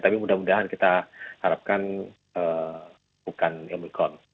tapi mudah mudahan kita harapkan bukan omikron